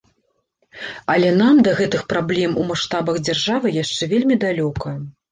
Але нам да гэтых праблем у маштабах дзяржавы яшчэ вельмі далёка.